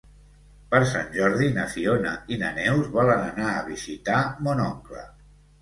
Per Sant Jordi na Fiona i na Neus volen anar a visitar mon oncle.